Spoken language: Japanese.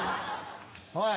おい。